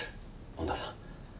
恩田さん。